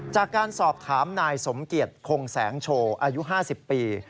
จากการสอบถามนายสมเกียจคงแสงโชว์อายุ๕๐ปี